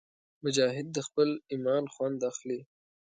مجاهد د خپل ایمان خوند اخلي.